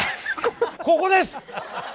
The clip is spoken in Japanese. ここです！